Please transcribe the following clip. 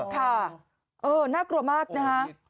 ค่ะน่ากลัวมากนะคะ